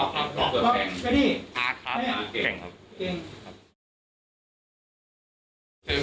กินเหล้ากันแล้วก็ออกไปนอกกันครับ